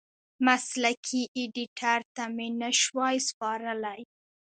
مسلکي ایډېټر ته مې نشوای سپارلی.